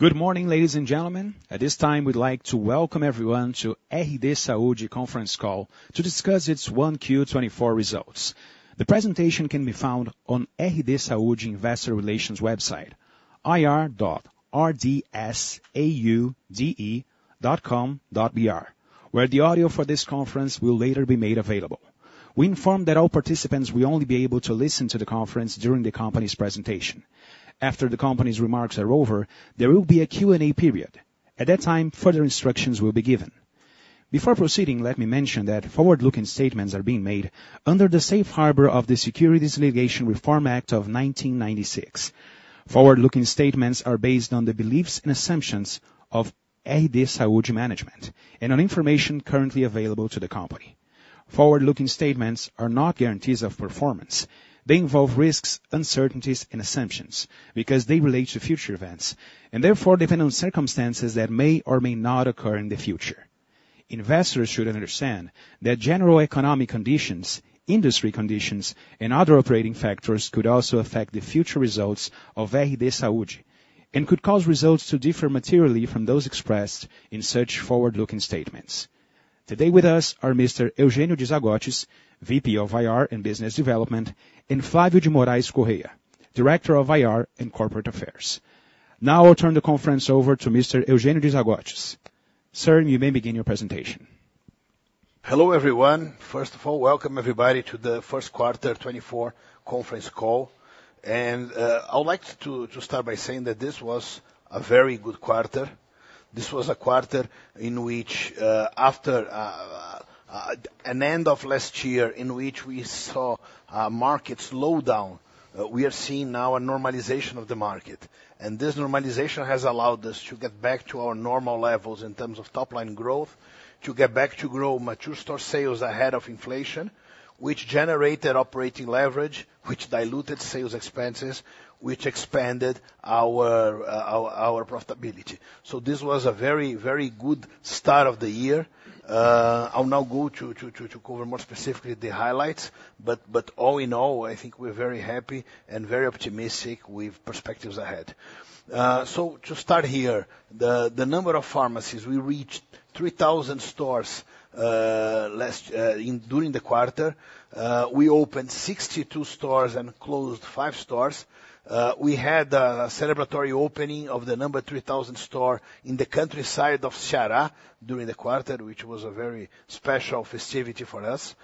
Good morning, ladies and gentlemen. At this time, we'd like to welcome everyone to RD Saúde conference call to discuss its 1Q24 results. The presentation can be found on RD Saúde Investor Relations website, ir.rdsaude.com.br, where the audio for this conference will later be made available. We inform that all participants will only be able to listen to the conference during the company's presentation. After the company's remarks are over, there will be a Q&A period. At that time, further instructions will be given. Before proceeding, let me mention that forward-looking statements are being made under the Safe Harbor of the Securities Litigation Reform Act of 1996. Forward-looking statements are based on the beliefs and assumptions of RD Saúde management and on information currently available to the company. Forward-looking statements are not guarantees of performance. They involve risks, uncertainties, and assumptions because they relate to future events, and therefore depend on circumstances that may or may not occur in the future. Investors should understand that general economic conditions, industry conditions, and other operating factors could also affect the future results of RD Saúde and could cause results to differ materially from those expressed in such forward-looking statements. Today with us are Mr. Eugênio De Zagottis, VP of IR and Business Development, and Flávio de Morais Correia, Director of IR and Corporate Affairs. Now, I'll turn the conference over to Mr. Eugênio De Zagottis. Sir, you may begin your presentation. Hello, everyone. First of all, welcome everybody to the first quarter 2024 conference call. And, I would like to start by saying that this was a very good quarter. This was a quarter in which, after an end of last year, in which we saw a market slow down, we are seeing now a normalization of the market. And this normalization has allowed us to get back to our normal levels in terms of top-line growth, to get back to grow mature store sales ahead of inflation, which generated operating leverage, which diluted sales expenses, which expanded our profitability. So this was a very, very good start of the year. I'll now go to cover more specifically the highlights, but all in all, I think we're very happy and very optimistic with perspectives ahead. So to start here, the number of pharmacies, we reached 3,000 stores during the quarter. We opened 62 stores and closed five stores. We had a celebratory opening of the number 3,000 store in the countryside of Ceará during the quarter, which was a very special festivity for us.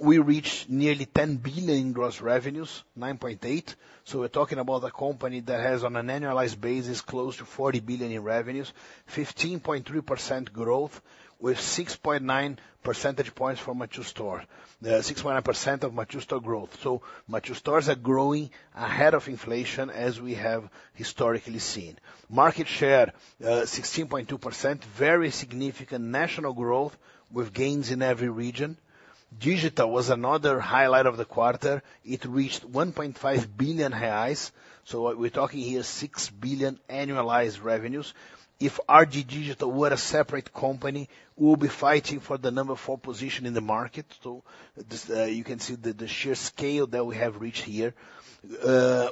We reached nearly 10 billion gross revenues, 9.8 billion. So we're talking about a company that has, on an annualized basis, close to 40 billion in revenues, 15.3% growth, with 6.9 percentage points from mature store. 6.9% of mature store growth. So mature stores are growing ahead of inflation, as we have historically seen. Market share, 16.2%, very significant national growth with gains in every region. Digital was another highlight of the quarter. It reached 1.5 billion reais. So we're talking here 6 billion annualized revenues. If RD Digital were a separate company, we will be fighting for the number four position in the market. So this, you can see the sheer scale that we have reached here.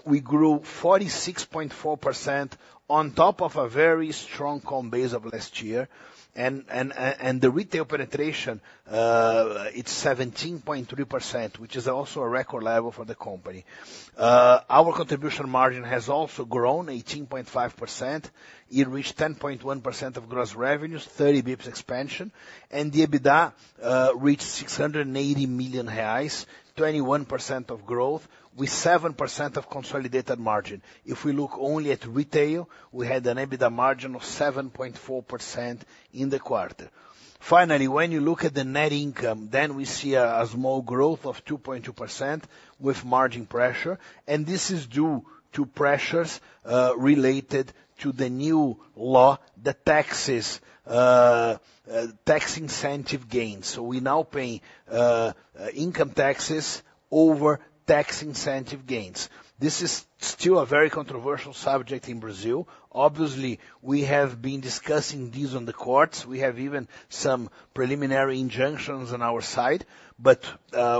We grew 46.4% on top of a very strong comp base of last year. And the retail penetration, it's 17.3%, which is also a record level for the company. Our contribution margin has also grown 18.5%. It reached 10.1% of gross revenues, 30 BPS expansion, and the EBITDA reached 680 million reais, 21% of growth, with 7% of consolidated margin. If we look only at retail, we had an EBITDA margin of 7.4% in the quarter. Finally, when you look at the net income, then we see a small growth of 2.2% with margin pressure, and this is due to pressures related to the new law, the taxes, tax incentive gains. So we now pay income taxes over tax incentive gains. This is still a very controversial subject in Brazil. Obviously, we have been discussing this on the courts. We have even some preliminary injunctions on our side, but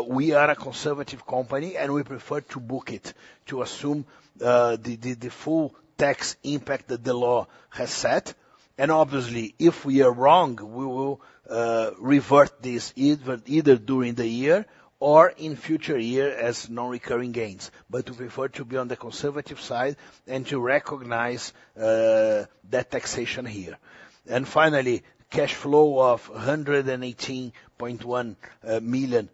we are a conservative company, and we prefer to book it, to assume the full tax impact that the law has set. And obviously, if we are wrong, we will revert this either during the year or in future year as non-recurring gains. But we prefer to be on the conservative side and to recognize that taxation here. And finally, cash flow of -118.1 million,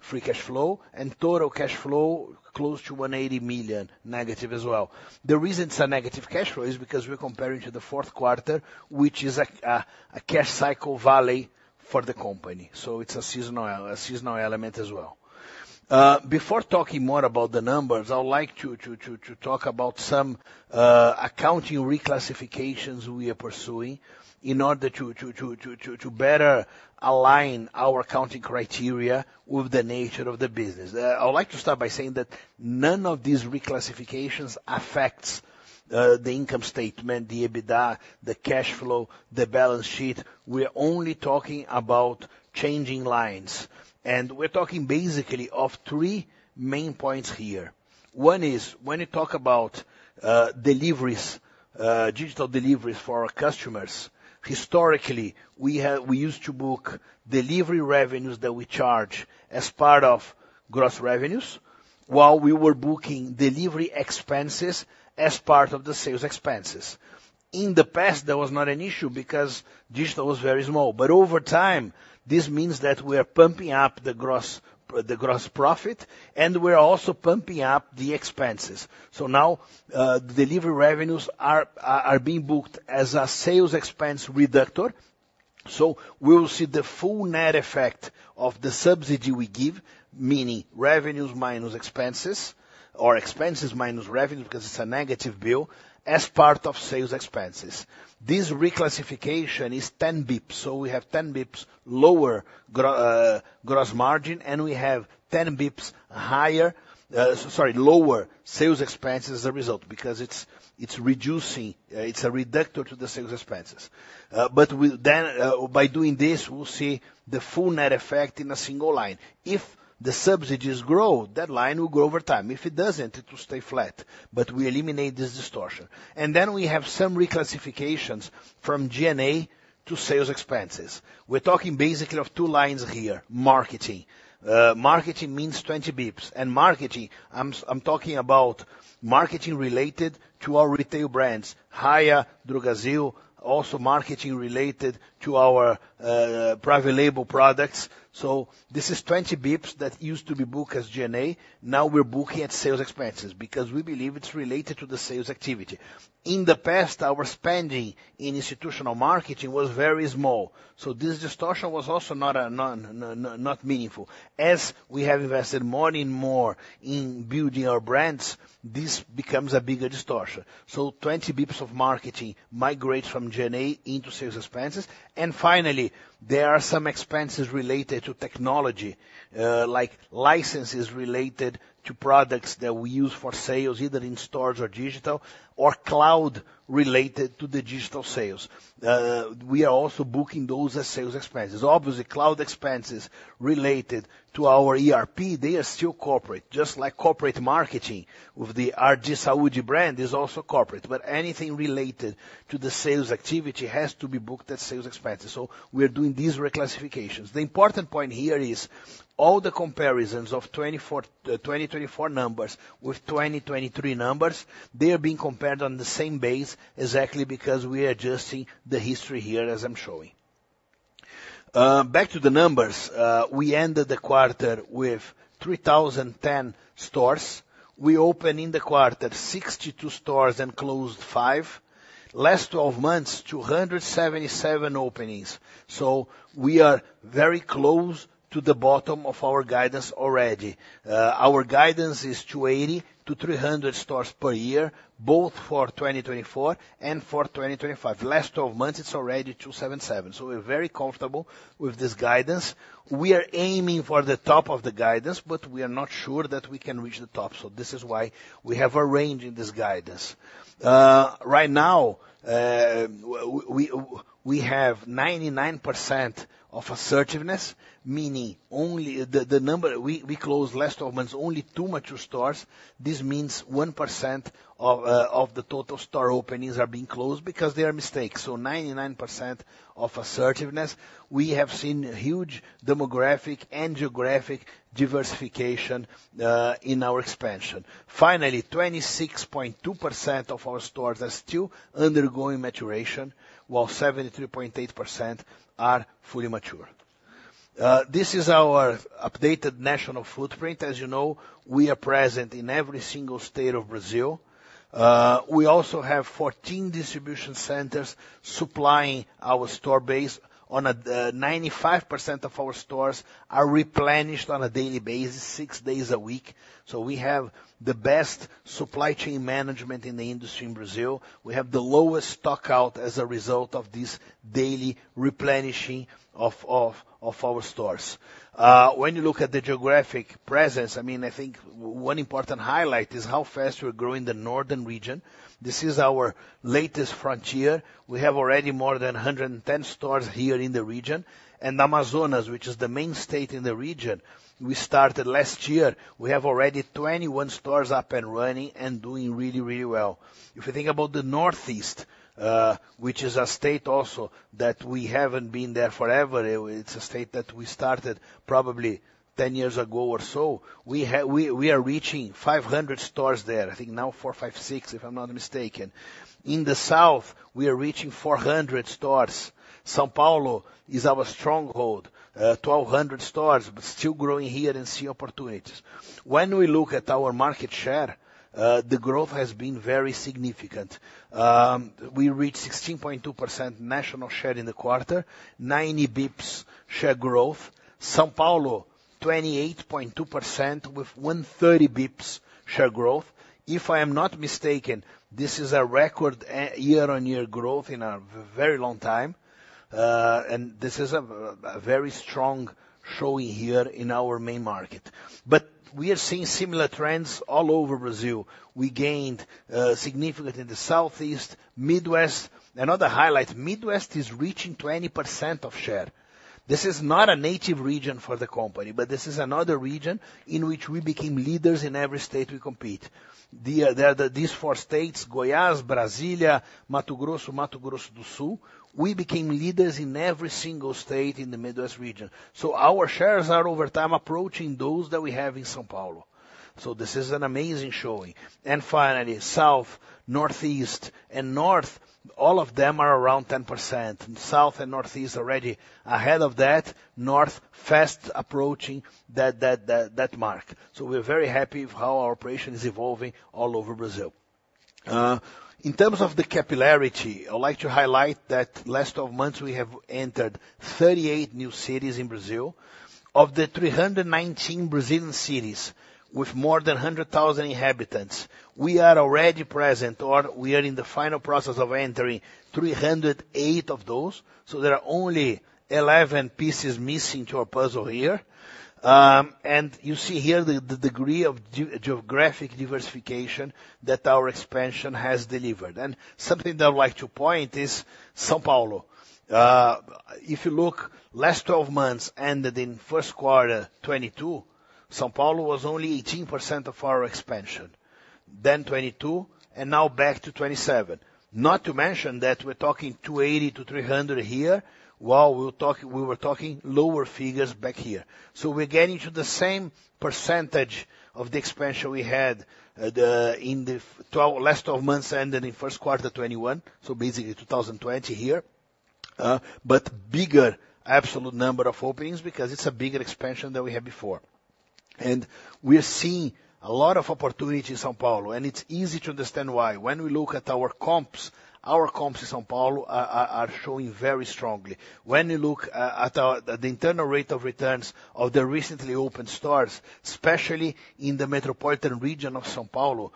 free cash flow, and total cash flow, close to -180 million, negative as well. The reason it's a negative cash flow is because we're comparing to the fourth quarter, which is a cash cycle valley for the company. So it's a seasonal element as well. Before talking more about the numbers, I would like to talk about some accounting reclassifications we are pursuing in order to better align our accounting criteria with the nature of the business. I would like to start by saying that none of these reclassifications affects the income statement, the EBITDA, the cash flow, the balance sheet. We're only talking about changing lines, and we're talking basically of three main points here. One is, when you talk about digital deliveries for our customers, historically, we used to book delivery revenues that we charge as part of gross revenues, while we were booking delivery expenses as part of the sales expenses. In the past, that was not an issue because digital was very small. But over time, this means that we are pumping up the gross, the gross profit, and we're also pumping up the expenses. So now, the delivery revenues are being booked as a sales expense reducer. So we will see the full net effect of the subsidy we give, meaning revenues minus expenses or expenses minus revenue, because it's a negative bill, as part of sales expenses. This reclassification is 10 bips, so we have 10 bips lower gross margin, and we have 10 bips higher, sorry, lower sales expenses as a result, because it's reducing, it's a reductor to the sales expenses. But then, by doing this, we'll see the full net effect in a single line. If the subsidies grow, that line will grow over time. If it doesn't, it will stay flat, but we eliminate this distortion. And then we have some reclassifications from G&A to sales expenses. We're talking basically of two lines here: marketing. Marketing means 20 bips. And marketing, I'm talking about marketing related to our retail brands, Raia, Drogasil, also marketing related to our private label products. So this is 20 bips that used to be booked as G&A. Now we're booking at sales expenses because we believe it's related to the sales activity. In the past, our spending in institutional marketing was very small, so this distortion was also not meaningful. As we have invested more and more in building our brands, this becomes a bigger distortion. So 20 bips of marketing migrates from G&A into sales expenses. And finally, there are some expenses related to technology, like licenses related to products that we use for sales, either in stores or digital, or cloud related to the digital sales. We are also booking those as sales expenses. Obviously, cloud expenses related to our ERP, they are still corporate, just like corporate marketing with the RD Saúde brand is also corporate. But anything related to the sales activity has to be booked as sales expenses, so we are doing these reclassifications. The important point here is all the comparisons of 2024, 2024 numbers with 2023 numbers, they are being compared on the same base, exactly because we are adjusting the history here, as I'm showing. Back to the numbers, we ended the quarter with 3,010 stores. We opened in the quarter 62 stores and closed 5. Last twelve months, 277 openings, so we are very close to the bottom of our guidance already. Our guidance is 280-300 stores per year, both for 2024 and for 2025. Last twelve months, it's already 277, so we're very comfortable with this guidance. We are aiming for the top of the guidance, but we are not sure that we can reach the top, so this is why we have a range in this guidance. Right now, we have 99% assertiveness, meaning only the number we closed last twelve months, only two mature stores. This means 1% of the total store openings are being closed because they are mistakes, so 99% assertiveness. We have seen huge demographic and geographic diversification in our expansion. Finally, 26.2% of our stores are still undergoing maturation, while 73.8% are fully mature. This is our updated national footprint. As you know, we are present in every single state of Brazil. We also have 14 distribution centers supplying our store base on a 95% of our stores are replenished on a daily basis, six days a week. So we have the best supply chain management in the industry in Brazil. We have the lowest stock out as a result of this daily replenishing of our stores. When you look at the geographic presence, I mean, I think one important highlight is how fast we're growing in the northern region. This is our latest frontier. We have already more than 110 stores here in the region. And Amazonas, which is the main state in the region, we started last year. We have already 21 stores up and running and doing really, really well. If you think about the Northeast, which is a state also that we haven't been there forever, it's a state that we started probably ten years ago or so, we are reaching 500 stores there. I think now 4, 5, 6, if I'm not mistaken. In the South, we are reaching 400 stores. São Paulo is our stronghold, 1,200 stores, but still growing here and see opportunities. When we look at our market share, the growth has been very significant. We reached 16.2% national share in the quarter, 90 basis points share growth. São Paulo, 28.2% with 130 basis points share growth. If I am not mistaken, this is a record year-on-year growth in a very long time, and this is a very strong showing here in our main market. But we are seeing similar trends all over Brazil. We gained significantly in the Southeast, Midwest. Another highlight, Midwest is reaching 20% share. This is not a native region for the company, but this is another region in which we became leaders in every state we compete. These four states, Goiás, Brasília, Mato Grosso, Mato Grosso do Sul, we became leaders in every single state in the Midwest region. So our shares are, over time, approaching those that we have in São Paulo. So this is an amazing showing. And finally, South, Northeast, and North... all of them are around 10%, South and Northeast already ahead of that, North fast approaching that mark. So we're very happy with how our operation is evolving all over Brazil. In terms of the capillarity, I would like to highlight that last 12 months, we have entered 38 new cities in Brazil. Of the 319 Brazilian cities, with more than 100,000 inhabitants, we are already present or we are in the final process of entering 308 of those. There are only 11 pieces missing to our puzzle here. You see here the degree of geographic diversification that our expansion has delivered. Something that I'd like to point is, São Paulo. If you look last 12 months, ended in first quarter 2022, São Paulo was only 18% of our expansion, then 2022, and now back to 27%. Not to mention that we're talking 280-300 here, while we were talking lower figures back here. We're getting to the same percentage of the expansion we had, in the last 12 months, ended in first quarter 2021, so basically 2020 here. But bigger absolute number of openings because it's a bigger expansion than we had before. We're seeing a lot of opportunity in São Paulo, and it's easy to understand why. When we look at our comps, our comps in São Paulo are showing very strongly. When you look at the internal rate of returns of the recently opened stores, especially in the metropolitan region of São Paulo,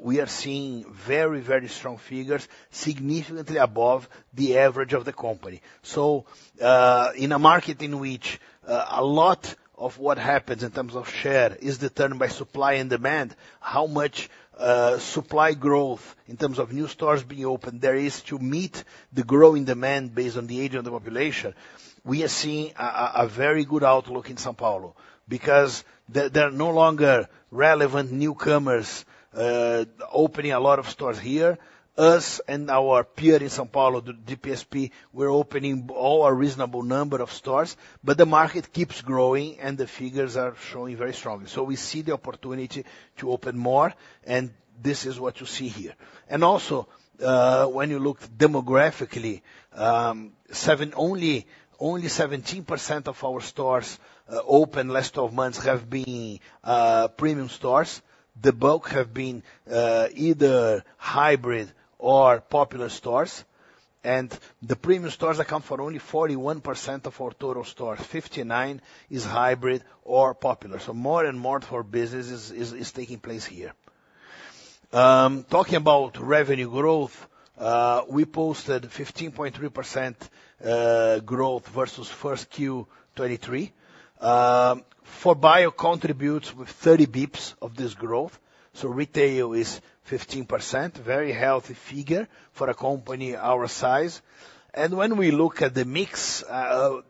we are seeing very, very strong figures, significantly above the average of the company. So, in a market in which a lot of what happens in terms of share is determined by supply and demand, how much supply growth in terms of new stores being opened there is to meet the growing demand based on the age of the population, we are seeing a very good outlook in São Paulo. Because there are no longer relevant newcomers opening a lot of stores here. Us and our peer in São Paulo, the DPSP, we're opening all a reasonable number of stores, but the market keeps growing and the figures are showing very strongly. So we see the opportunity to open more, and this is what you see here. And also, when you look demographically, seven only, only 17% of our stores, open last twelve months have been, premium stores. The bulk have been, either hybrid or popular stores, and the premium stores account for only 41% of our total stores. 59% is hybrid or popular. So more and more of our business is, is, is taking place here. Talking about revenue growth, we posted 15.3% growth versus first Q 2023. 4Bio contributes with 30 bips of this growth, so retail is 15%, very healthy figure for a company our size. When we look at the mix,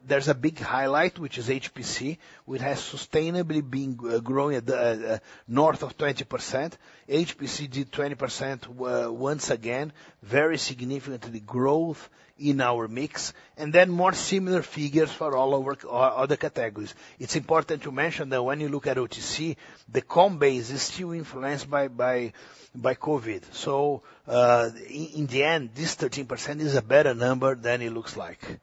there's a big highlight, which is HPC, which has sustainably been growing at north of 20%. HPC did 20% once again, very significantly growth in our mix, and then more similar figures for all our other categories. It's important to mention that when you look at OTC, the comp base is still influenced by COVID. So, in the end, this 13% is a better number than it looks like.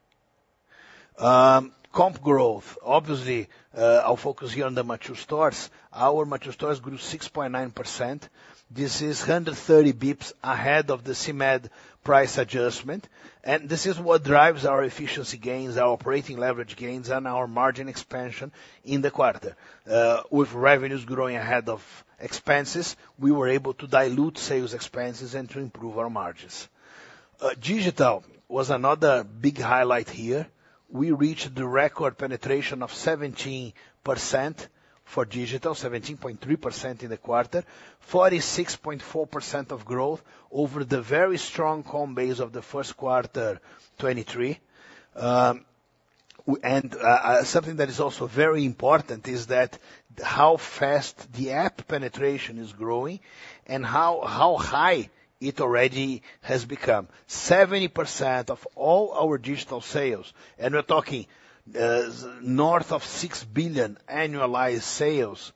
Comp growth, obviously, our focus here on the mature stores. Our mature stores grew 6.9%. This is 130 basis points ahead of the CMED price adjustment, and this is what drives our efficiency gains, our operating leverage gains, and our margin expansion in the quarter. With revenues growing ahead of expenses, we were able to dilute sales expenses and to improve our margins. Digital was another big highlight here. We reached the record penetration of 17% for digital, 17.3% in the quarter. 46.4% of growth over the very strong home base of the first quarter 2023. Something that is also very important is that how fast the app penetration is growing and how high it already has become. 70% of all our digital sales, and we're talking north of 6 billion annualized sales,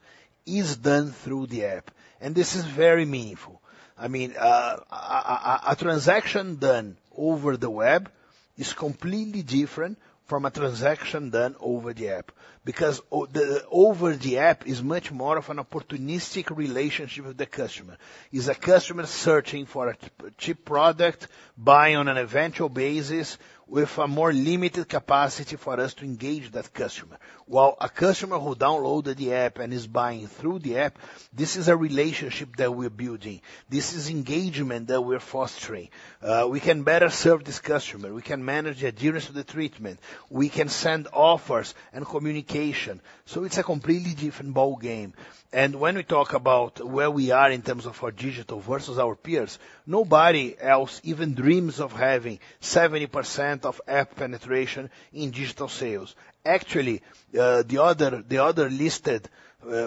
is done through the app. And this is very meaningful. I mean, a transaction done over the web is completely different from a transaction done over the app, because over the app is much more of an opportunistic relationship with the customer. It's a customer searching for a cheap product, buying on an eventual basis with a more limited capacity for us to engage that customer. While a customer who downloaded the app and is buying through the app, this is a relationship that we're building. This is engagement that we're fostering. We can better serve this customer, we can manage the adherence to the treatment, we can send offers and communication. So it's a completely different ballgame. When we talk about where we are in terms of our digital versus our peers, nobody else even dreams of having 70% of app penetration in digital sales. Actually, the other listed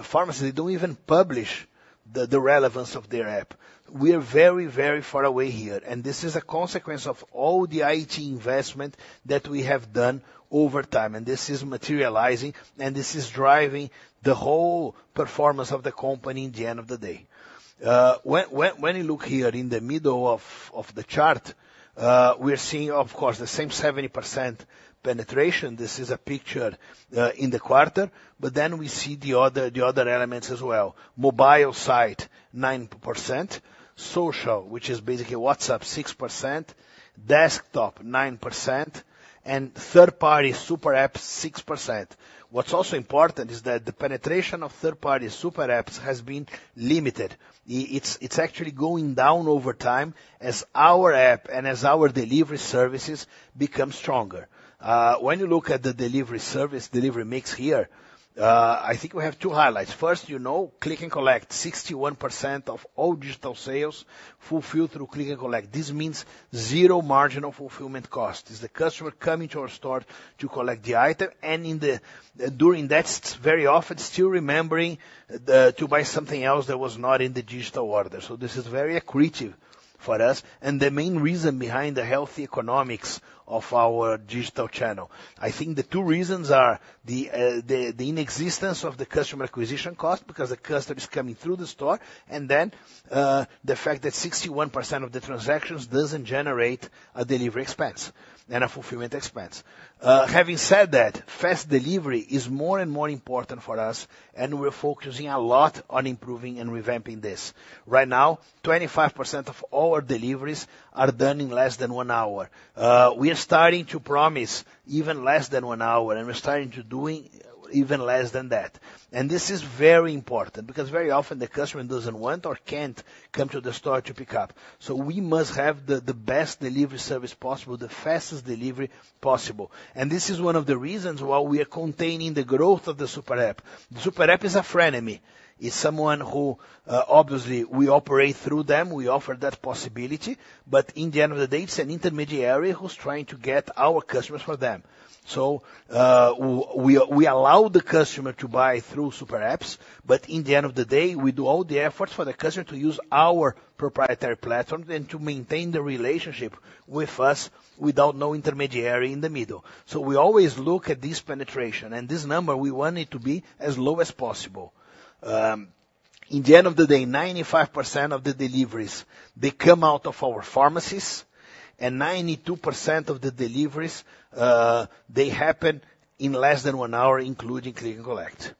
pharmacies, they don't even publish the relevance of their app. We are very, very far away here, and this is a consequence of all the IT investment that we have done over time, and this is materializing, and this is driving the whole performance of the company at the end of the day. When you look here in the middle of the chart, we are seeing, of course, the same 70% penetration. This is a picture in the quarter, but then we see the other elements as well. Mobile site, 9%. Social, which is basically WhatsApp, 6%, desktop 9%, and third party super app, 6%. What's also important is that the penetration of third party super apps has been limited. It's actually going down over time as our app and as our delivery services become stronger. When you look at the delivery service, delivery mix here, I think we have two highlights. First, you know, Click and Collect, 61% of all digital sales fulfill through Click and Collect. This means zero marginal fulfillment cost. It's the customer coming to our store to collect the item, and during that, it's very often still remembering the to buy something else that was not in the digital order. So this is very accretive for us, and the main reason behind the healthy economics of our digital channel. I think the two reasons are the inexistence of the customer acquisition cost, because the customer is coming through the store, and then the fact that 61% of the transactions doesn't generate a delivery expense and a fulfillment expense. Having said that, fast delivery is more and more important for us, and we're focusing a lot on improving and revamping this. Right now, 25% of all our deliveries are done in less than one hour. We are starting to promise even less than one hour, and we're starting to doing even less than that. This is very important, because very often the customer doesn't want or can't come to the store to pick up. So we must have the best delivery service possible, the fastest delivery possible. This is one of the reasons why we are containing the growth of the super app. The super app is a frenemy. It's someone who, obviously we operate through them, we offer that possibility, but in the end of the day, it's an intermediary who's trying to get our customers for them. So, we allow the customer to buy through super apps, but in the end of the day, we do all the efforts for the customer to use our proprietary platform and to maintain the relationship with us without no intermediary in the middle. So we always look at this penetration, and this number, we want it to be as low as possible. In the end of the day, 95% of the deliveries, they come out of our pharmacies, and 92% of the deliveries, they happen in less than 1 hour, including Click and Collect.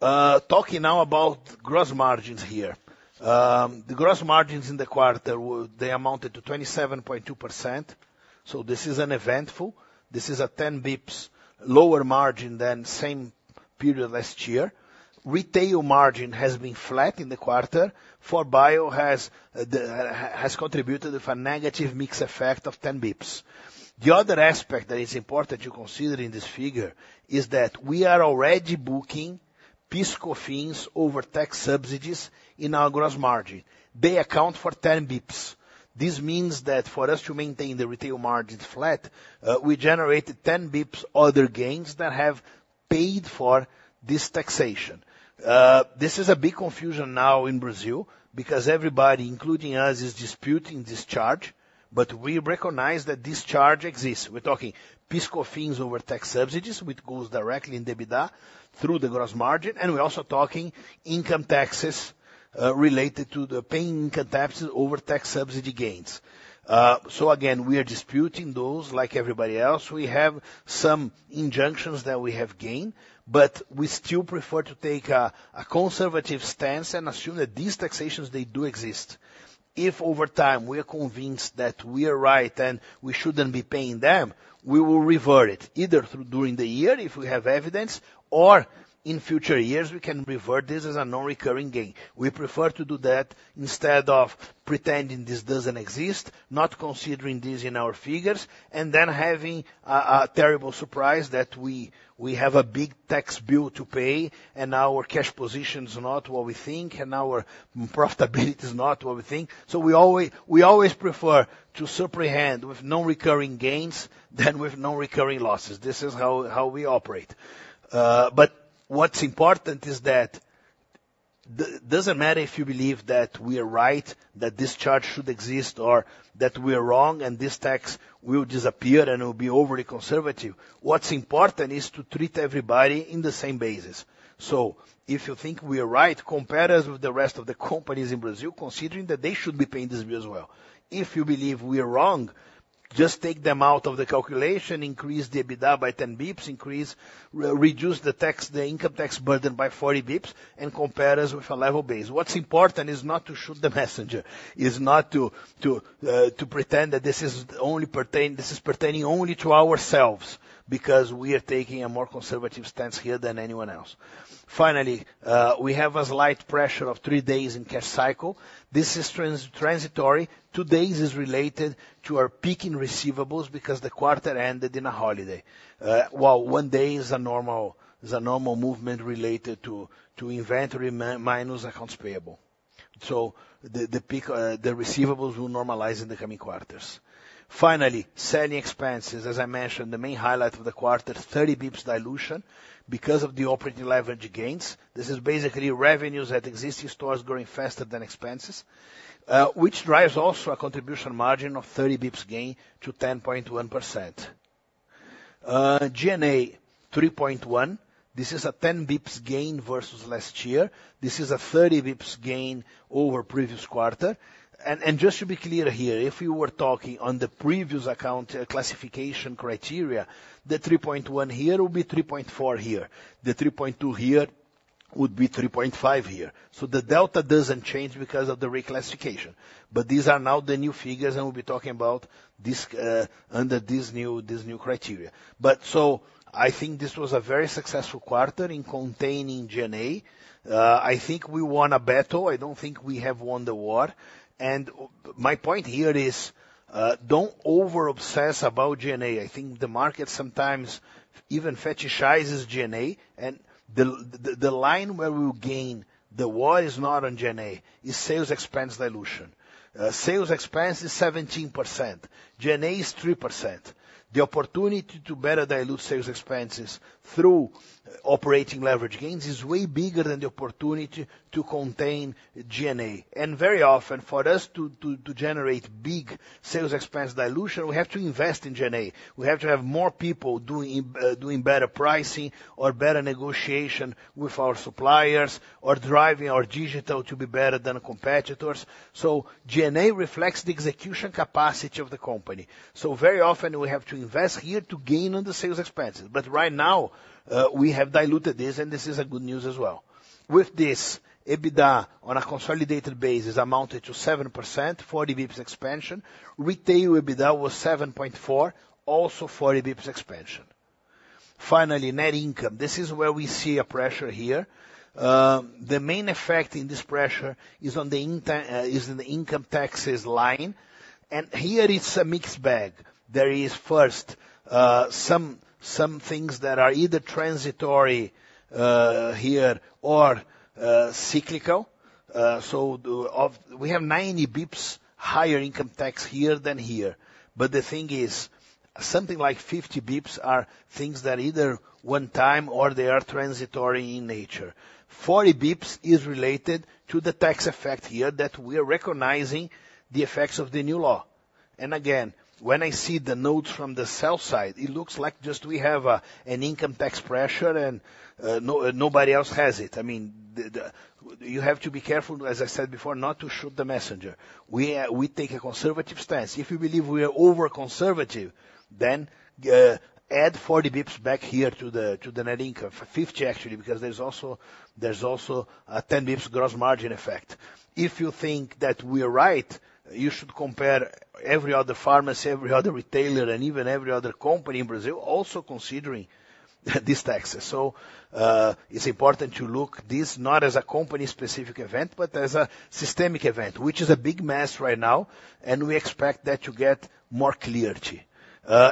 Talking now about gross margins here. The gross margins in the quarter they amounted to 27.2%, so this is uneventful. This is a 10 basis points lower margin than same period last year. Retail margin has been flat in the quarter. 4Bio has contributed with a negative mix effect of 10 basis points. The other aspect that is important to consider in this figure is that we are already booking PIS/COFINS over tax subsidies in our gross margin. They account for 10 basis points. This means that for us to maintain the retail margin flat, we generated 10 basis points, other gains that have paid for this taxation. This is a big confusion now in Brazil, because everybody, including us, is disputing this charge, but we recognize that this charge exists. We're talking PIS/COFINS over tax subsidies, which goes directly in the EBITDA through the gross margin, and we're also talking income taxes, related to the paying income taxes over tax subsidy gains. So again, we are disputing those like everybody else. We have some injunctions that we have gained, but we still prefer to take a conservative stance and assume that these taxations, they do exist. If over time, we are convinced that we are right and we shouldn't be paying them, we will revert it, either through during the year if we have evidence, or in future years, we can revert this as a non-recurring gain. We prefer to do that instead of pretending this doesn't exist, not considering this in our figures, and then having a terrible surprise that we have a big tax bill to pay and our cash position is not what we think, and our profitability is not what we think. So we always prefer to comprehend with no recurring gains than with no recurring losses. This is how we operate. But what's important is that doesn't matter if you believe that we are right, that this charge should exist, or that we are wrong and this tax will disappear and it will be overly conservative. What's important is to treat everybody in the same basis. So if you think we are right, compare us with the rest of the companies in Brazil, considering that they should be paying this bill as well. If you believe we are wrong, just take them out of the calculation, increase the EBITDA by 10 basis points, reduce the tax, the income tax burden by 40 basis points, and compare us with a level base. What's important is not to shoot the messenger, is not to pretend that this is only pertaining only to ourselves, because we are taking a more conservative stance here than anyone else. Finally, we have a slight pressure of 3 days in cash cycle. This is transitory. 2 days is related to our peak in receivables because the quarter ended in a holiday. While 1 day is a normal movement related to inventory minus accounts payable. So the peak, the receivables will normalize in the coming quarters. Finally, selling expenses. As I mentioned, the main highlight of the quarter, 30 bips dilution because of the operating leverage gains. This is basically revenues at existing stores growing faster than expenses, which drives also a contribution margin of 30 bips gain to 10.1%. GNA 3.1, this is a 10 bips gain versus last year. This is a 30 bips gain over previous quarter. Just to be clear here, if you were talking on the previous account classification criteria, the 3.1 here will be 3.4 here. The 3.2 here would be 3.5 here. So the delta doesn't change because of the reclassification. But these are now the new figures, and we'll be talking about this under this new criteria. So I think this was a very successful quarter in containing GNA. I think we won a battle. I don't think we have won the war. My point here is, don't over-obsess about GNA. I think the market sometimes even fetishizes GNA, and the line where we gain the war is not on GNA, it's sales expense dilution. Sales expense is 17%, GNA is 3%. The opportunity to better dilute sales expenses through operating leverage gains is way bigger than the opportunity to contain GNA. Very often, for us to generate big sales expense dilution, we have to invest in GNA. We have to have more people doing better pricing or better negotiation with our suppliers, or driving our digital to be better than competitors. GNA reflects the execution capacity of the company. Very often we have to invest here to gain on the sales expenses, but right now, we have diluted this, and this is good news as well. With this, EBITDA, on a consolidated basis, amounted to 7%, 40 basis points expansion. Retail EBITDA was 7.4, also 40 basis points expansion. Finally, net income. This is where we see a pressure here. The main effect in this pressure is on the income taxes line, and here it's a mixed bag. There is first, some things that are either transitory, here or cyclical. So we have 90 basis points higher income tax here than here, but the thing is, something like 50 basis points are things that are either one time or they are transitory in nature. 40 basis points is related to the tax effect here, that we are recognizing the effects of the new law. And again, when I see the notes from the sell-side, it looks like just we have an income tax pressure and, no, nobody else has it. I mean, the you have to be careful, as I said before, not to shoot the messenger. We are, we take a conservative stance. If you believe we are over-conservative, then add 40 basis points back here to the net income. Fifty, actually, because there's also a 10 basis points gross margin effect. If you think that we are right, you should compare every other pharmacy, every other retailer, and even every other company in Brazil, also considering these taxes. It's important to look at this not as a company-specific event, but as a systemic event, which is a big mess right now, and we expect that to get more clarity.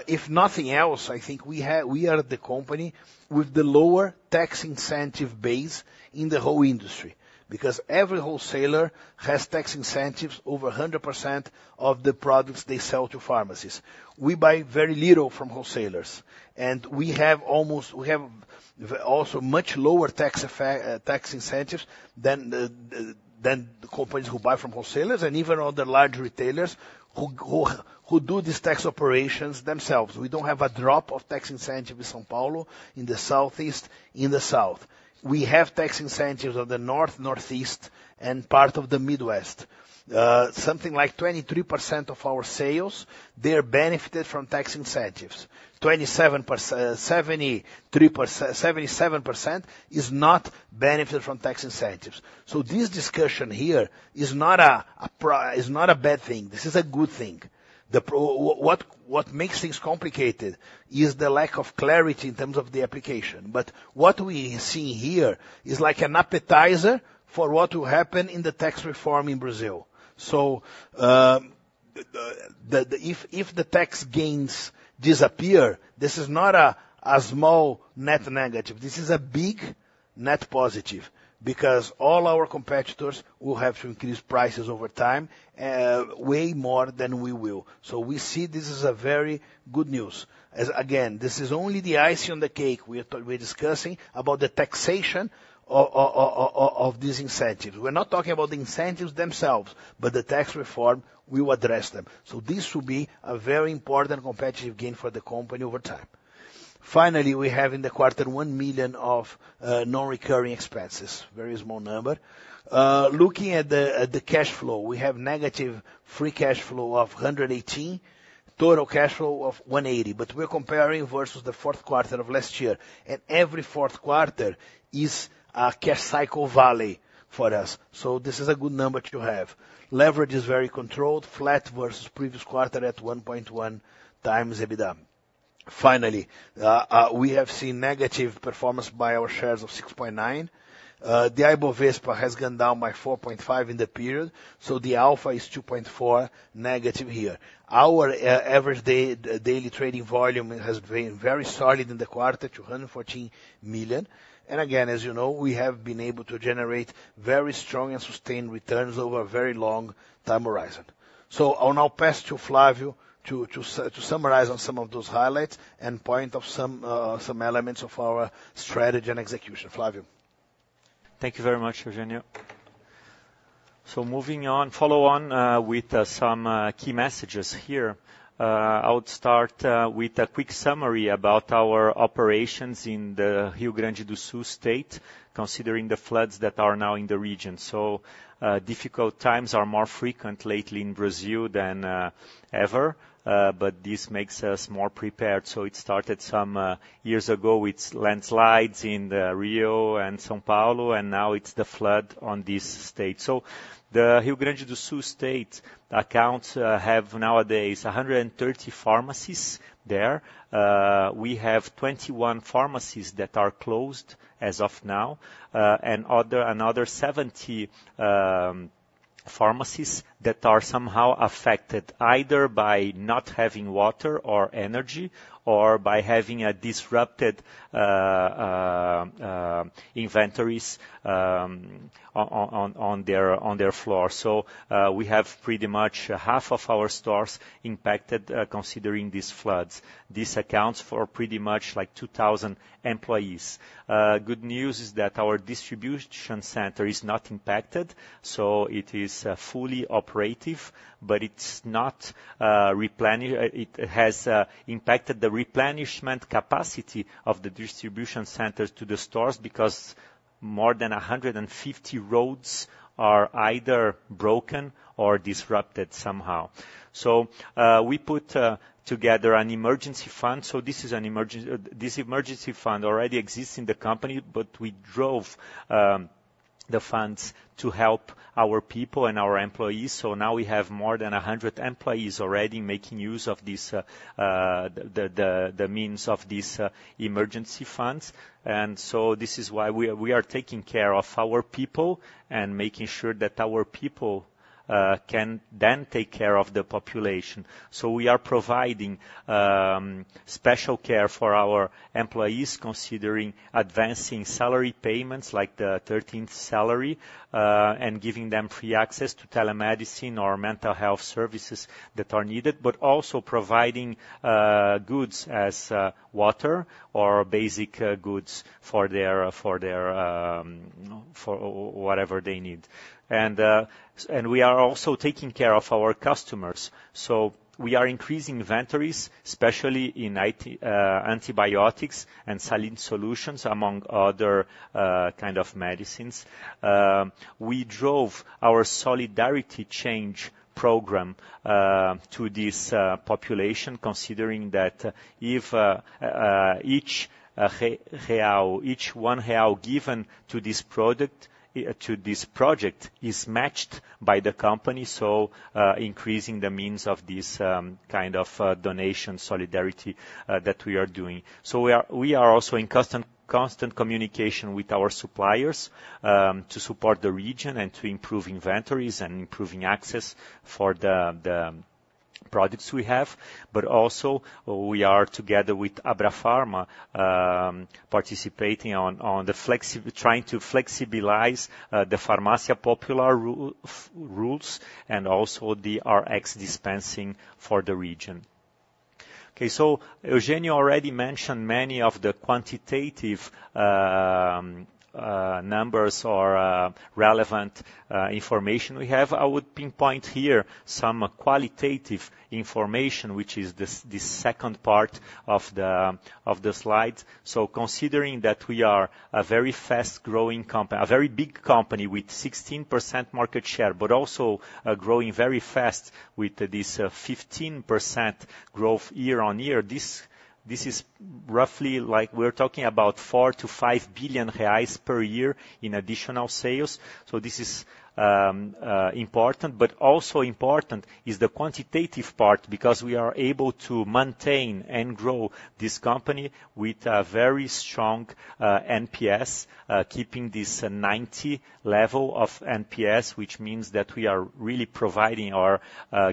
If nothing else, I think we are the company with the lower tax incentive base in the whole industry. Because every wholesaler has tax incentives over 100% of the products they sell to pharmacies. We buy very little from wholesalers, and we have also much lower tax incentives than the companies who buy from wholesalers and even other large retailers who do these tax operations themselves. We don't have a drop of tax incentive in São Paulo, in the Southeast, in the South. We have tax incentives on the North, Northeast, and part of the Midwest. Something like 23% of our sales, they are benefited from tax incentives. 77% is not benefited from tax incentives. So this discussion here is not a bad thing. This is a good thing. What makes things complicated is the lack of clarity in terms of the application. But what we see here is like an appetizer for what will happen in the tax reform in Brazil. So, if the tax gains disappear, this is not a small net negative. This is a big net positive, because all our competitors will have to increase prices over time, way more than we will. So we see this is a very good news. As again, this is only the icing on the cake. We're discussing about the taxation of these incentives. We're not talking about the incentives themselves, but the tax reform will address them. So this will be a very important competitive gain for the company over time. Finally, we have in the quarter, 1 million of non-recurring expenses, very small number. Looking at the cash flow, we have negative free cash flow of 118 million, total cash flow of 180 million, but we're comparing versus the fourth quarter of last year, and every fourth quarter is a cash cycle valley for us. So this is a good number to have. Leverage is very controlled, flat versus previous quarter at 1.1 times EBITDA. Finally, we have seen negative performance by our shares of 6.9%. The Ibovespa has gone down by 4.5% in the period, so the alpha is 2.4 negative here. Our average daily trading volume has been very solid in the quarter, 214 million. And again, as you know, we have been able to generate very strong and sustained returns over a very long time horizon. So I'll now pass to Flávio to summarize on some of those highlights and point out some elements of our strategy and execution. Flávio? Thank you very much, Eugenio. So moving on, follow on, with some key messages here. I would start with a quick summary about our operations in the Rio Grande do Sul state, considering the floods that are now in the region. So difficult times are more frequent lately in Brazil than ever, but this makes us more prepared. So it started some years ago with landslides in the Rio and São Paulo, and now it's the flood on this state. So the Rio Grande do Sul State accounts have nowadays 130 pharmacies there. We have 21 pharmacies that are closed as of now, and another 70 pharmacies that are somehow affected, either by not having water or energy, or by having a disrupted inventories on their floor. So, we have pretty much half of our stores impacted, considering these floods. This accounts for pretty much like 2,000 employees. Good news is that our distribution center is not impacted, so it is fully operative, but it has impacted the replenishment capacity of the distribution centers to the stores because more than 150 roads are either broken or disrupted somehow. So, we put together an emergency fund. So this is an emergency fund already exists in the company, but we drove the funds to help our people and our employees. So now we have more than 100 employees already making use of this, the means of these emergency funds. And so this is why we are taking care of our people and making sure that our people can then take care of the population. So we are providing special care for our employees, considering advancing salary payments, like the thirteenth salary, and giving them free access to telemedicine or mental health services that are needed, but also providing goods as water or basic goods for their for whatever they need. And we are also taking care of our customers. So we are increasing inventories, especially in antibiotics and saline solutions, among other kind of medicines. We drove our solidarity chain program to this population, considering that if each BRL, each 1 real given to this product, to this project, is matched by the company, so increasing the means of this kind of donation solidarity that we are doing. So we are also in constant communication with our suppliers to support the region and to improve inventories and improving access for the products we have. But also we are together with Abrafarma, participating, trying to flexibilize the Farmácia Popular rules and also the Rx dispensing for the region. Okay, so Eugênio already mentioned many of the quantitative numbers or relevant information we have. I would pinpoint here some qualitative information, which is this, the second part of the slide. So considering that we are a very fast-growing company, a very big company with 16% market share, but also growing very fast with this 15% growth year-on-year, this, this is roughly like we're talking about 4-5 billion reais per year in additional sales. So this is important, but also important is the quantitative part, because we are able to maintain and grow this company with a very strong NPS, keeping this 90 level of NPS, which means that we are really providing our,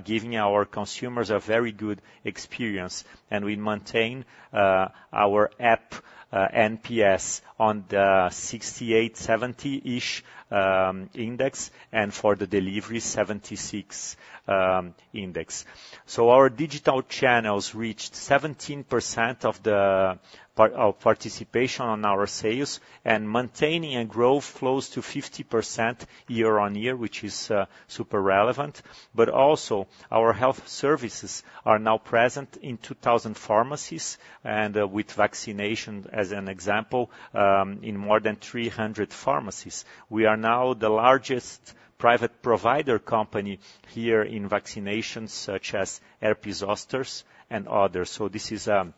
giving our consumers a very good experience. We maintain our app NPS on the 68, 70-ish index, and for the delivery, 76 index. So our digital channels reached 17% of the participation on our sales and maintaining a growth close to 50% year-on-year, which is super relevant. But also, our health services are now present in 2,000 pharmacies and with vaccination as an example, in more than 300 pharmacies. We are now the largest private provider company here in vaccinations such as Herpes Zoster and others. So this is a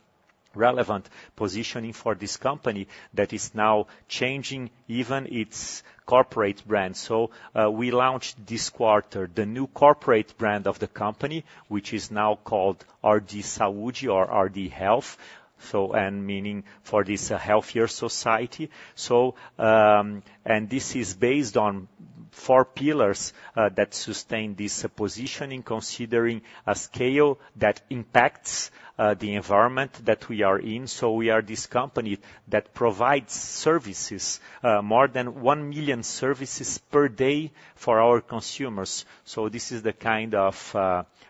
relevant positioning for this company that is now changing even its corporate brand. So we launched this quarter, the new corporate brand of the company, which is now called RD Saúde or RD Health, so and meaning for this healthier society. This is based on four pillars that sustain this positioning, considering a scale that impacts-... the environment that we are in. So we are this company that provides services, more than 1 million services per day for our consumers. So this is the kind of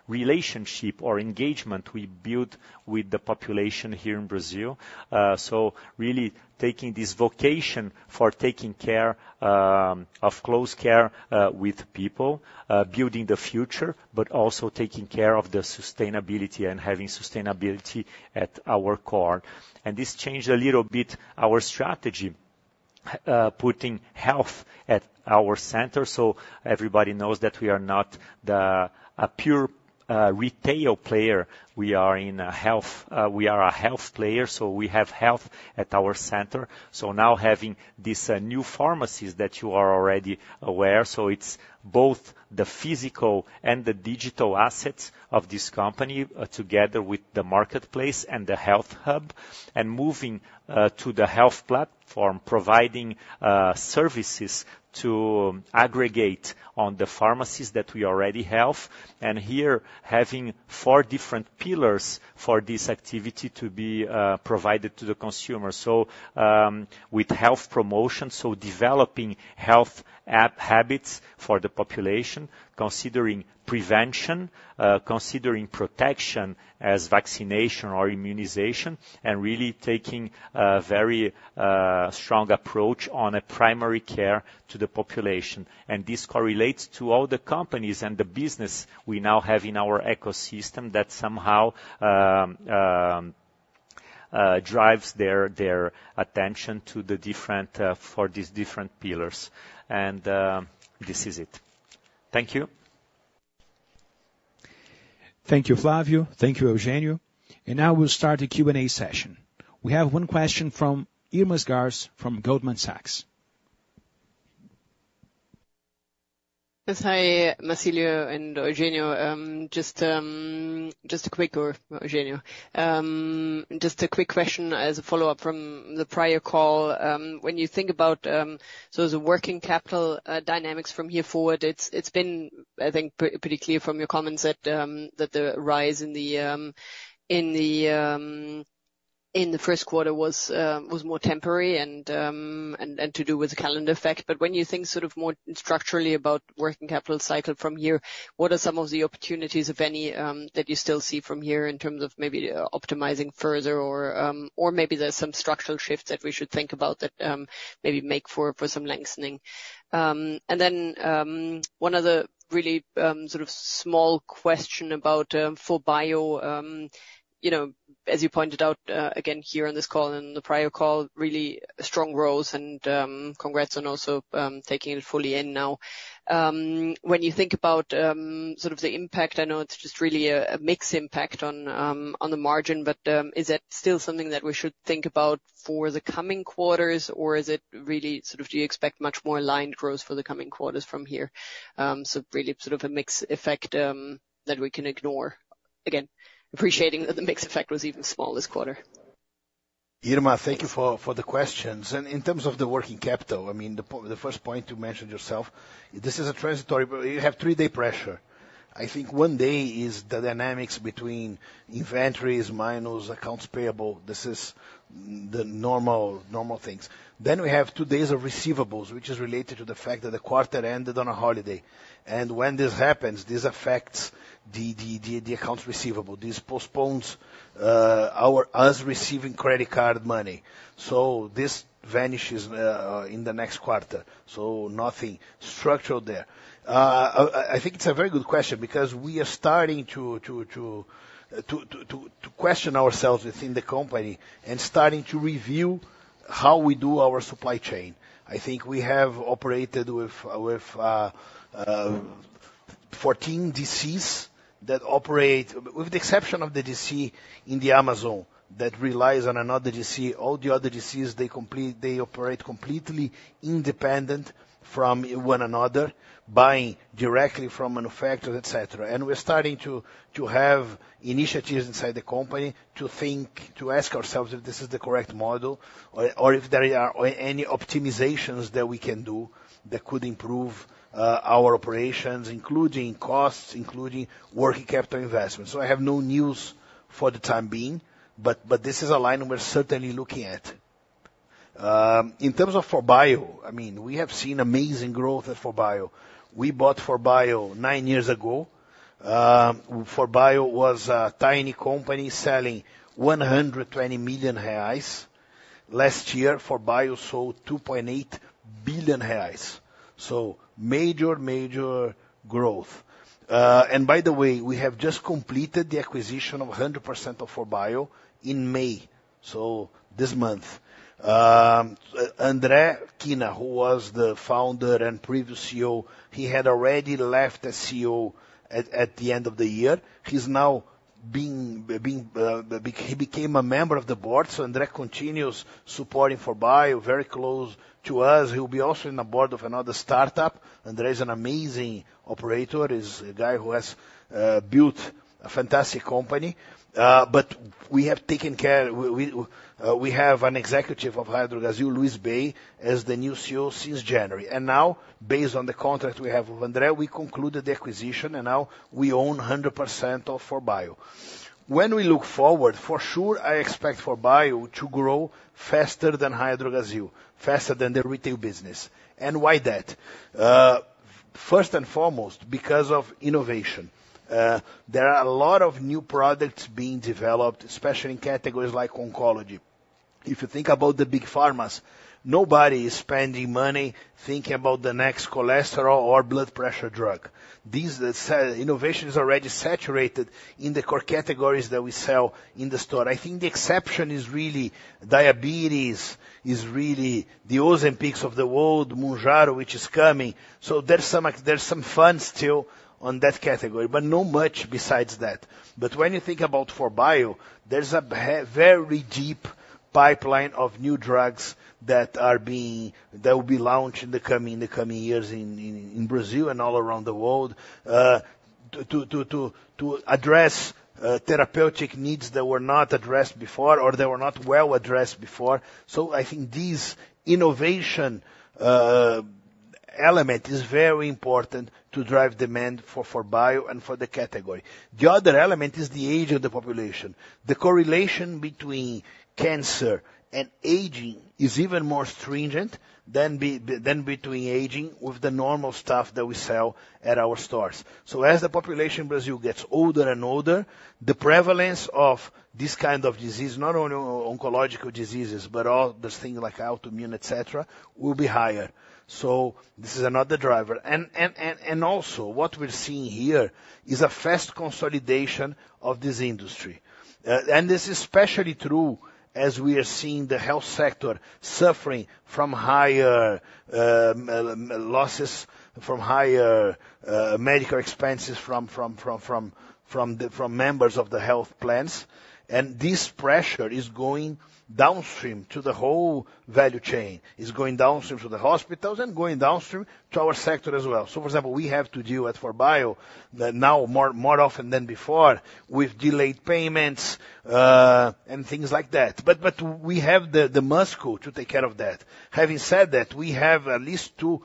relationship or engagement we build with the population here in Brazil. So really taking this vocation for taking care of close care with people, building the future, but also taking care of the sustainability and having sustainability at our core. And this changed a little bit our strategy, putting health at our center, so everybody knows that we are not a pure retail player. We are in a health—we are a health player, so we have health at our center. So now having these new pharmacies that you are already aware, so it's both the physical and the digital assets of this company, together with the marketplace and the health hub, and moving to the health platform, providing services to aggregate on the pharmacies that we already have. And here, having four different pillars for this activity to be provided to the consumer. So, with health promotion, so developing health app habits for the population, considering prevention, considering protection as vaccination or immunization, and really taking a very strong approach on a primary care to the population. And this correlates to all the companies and the business we now have in our ecosystem that somehow drives their attention to the different for these different pillars. And this is it. Thank you. Thank you, Flávio. Thank you, Eugênio. And now we'll start the Q&A session. We have one question from Irma Sgarz from Goldman Sachs. Yes, hi, Marcílio and Eugênio. Just, just a quick or Eugênio, just a quick question as a follow-up from the prior call. When you think about, so as a working capital dynamics from here forward, it's, it's been, I think, pretty clear from your comments that that the rise in the in the in the first quarter was was more temporary, and and and to do with the calendar effect. But when you think sort of more structurally about working capital cycle from here, what are some of the opportunities, if any, that you still see from here in terms of maybe optimizing further or or maybe there's some structural shifts that we should think about that, maybe make for for some lengthening? And then, one other really, sort of small question about 4Bio. You know, as you pointed out, again, here on this call and the prior call, really strong growth and, congrats on also, taking it fully in now. When you think about, sort of the impact, I know it's just really a mixed impact on, on the margin, but, is that still something that we should think about for the coming quarters, or is it really sort of, do you expect much more line growth for the coming quarters from here? So really sort of a mix effect, that we can ignore. Again, appreciating that the mix effect was even small this quarter. Irma, thank you for the questions. And in terms of the working capital, I mean, the first point you mentioned yourself, this is a transitory, but you have three-day pressure. I think one day is the dynamics between inventories minus accounts payable. This is the normal things. Then we have two days of receivables, which is related to the fact that the quarter ended on a holiday. And when this happens, this affects the accounts receivable. This postpones our receiving credit card money. So this vanishes in the next quarter, so nothing structural there. I think it's a very good question because we are starting to question ourselves within the company and starting to review how we do our supply chain. I think we have operated with 14 DCs that operate. With the exception of the DC in the Amazon, that relies on another DC, all the other DCs, they operate completely independent from one another, buying directly from manufacturers, et cetera. And we're starting to have initiatives inside the company to think, to ask ourselves if this is the correct model or if there are any optimizations that we can do that could improve our operations, including costs, including working capital investments. So I have no news for the time being, but this is a line we're certainly looking at. In terms of 4Bio, I mean, we have seen amazing growth at 4Bio. We bought 4Bio 9 years ago. 4Bio was a tiny company selling 120 million reais. Last year, 4Bio sold 2.8 billion reais. So major, major growth. And by the way, we have just completed the acquisition of 100% of 4Bio in May, so this month. André Kina, who was the founder and previous CEO, he had already left as CEO at the end of the year. He became a member of the board, so André continues supporting 4Bio, very close-... to us, he'll be also in the board of another startup, and there is an amazing operator, is a guy who has built a fantastic company. But we have taken care—we have an executive of Raia Drogasil, Luiz Bay, as the new CEO since January. And now, based on the contract we have with André, we concluded the acquisition, and now we own 100% of 4Bio. When we look forward, for sure, I expect 4Bio to grow faster than Raia Drogasil, faster than the retail business. And why that? First and foremost, because of innovation. There are a lot of new products being developed, especially in categories like oncology. If you think about the big pharmas, nobody is spending money thinking about the next cholesterol or blood pressure drug. This innovation is already saturated in the core categories that we sell in the store. I think the exception is really diabetes, is really the Ozempic of the world, Mounjaro, which is coming. So there's some room still in that category, but not much besides that. But when you think about 4Bio, there's a very deep pipeline of new drugs that will be launched in the coming years in Brazil and all around the world, to address therapeutic needs that were not addressed before, or they were not well addressed before. So I think this innovation element is very important to drive demand for 4Bio and for the category. The other element is the age of the population. The correlation between cancer and aging is even more stringent than between aging with the normal stuff that we sell at our stores. So as the population in Brazil gets older and older, the prevalence of this kind of disease, not only oncological diseases, but all those things like autoimmune, et cetera, will be higher. So this is another driver. And also, what we're seeing here is a fast consolidation of this industry. And this is especially true as we are seeing the health sector suffering from higher losses, from higher medical expenses from the members of the health plans. And this pressure is going downstream to the whole value chain, is going downstream to the hospitals, and going downstream to our sector as well. So for example, we have to deal with 4Bio, that now more, more often than before, with delayed payments, and things like that. But we have the muscle to take care of that. Having said that, we have at least two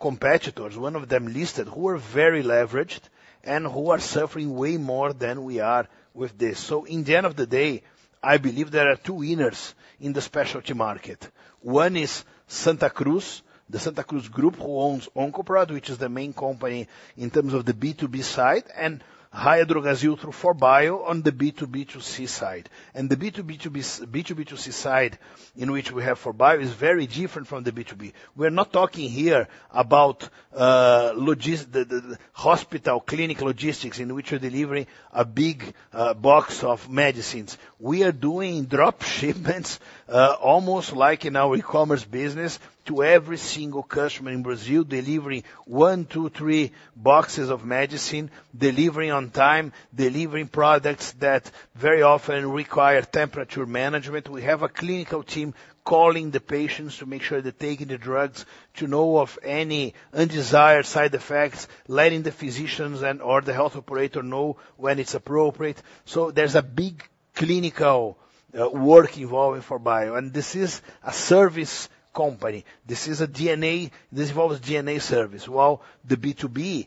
competitors, one of them listed, who are very leveraged and who are suffering way more than we are with this. So in the end of the day, I believe there are two winners in the specialty market. One is Santa Cruz, the Santa Cruz group, who owns Oncoprod, which is the main company in terms of the B2B side, and Raia Drogasil through 4Bio on the B2B2C side. And the B2B2B, B2B2C side, in which we have 4Bio, is very different from the B2B. We're not talking here about the hospital, clinic logistics, in which you're delivering a big box of medicines. We are doing drop shipments, almost like in our e-commerce business, to every single customer in Brazil, delivering one, two, three boxes of medicine, delivering on time, delivering products that very often require temperature management. We have a clinical team calling the patients to make sure they're taking the drugs, to know of any undesired side effects, letting the physicians and/or the health operator know when it's appropriate. So there's a big clinical work involved in 4Bio, and this is a service company. This is a DNA. This involves DNA service, while the B2B